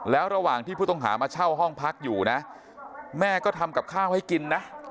แล้วระหว่างที่ผู้ต้องหามาเช่าห้องพักอยู่นะแม่ก็ทำกับข้าวให้กินนะ